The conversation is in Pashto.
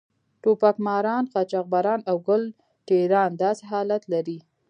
ټوپک ماران، قاچاقبران او ګل ټېران داسې حالت لري.